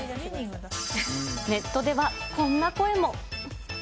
ネットでは、こんな声も。